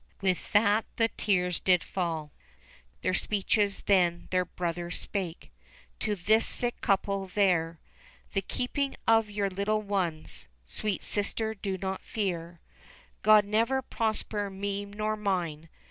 With that the tears did fall. These speeches then their brother spake To this sick couple there : "The keeping of your little ones. Sweet sister, do not fear ; God never prosper me nor mine.